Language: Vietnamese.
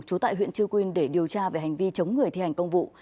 trú tại huyện chư quyên để điều tra về hành vi chống người thi hành công vụ